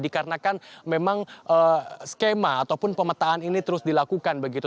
dikarenakan memang skema ataupun pemetaan ini terus dilakukan begitu